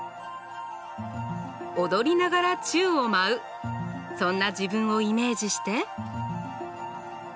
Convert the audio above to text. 踊りながら宙を舞うそんな自分をイメージして。